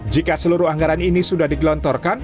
jika seluruh anggaran ini sudah digelontorkan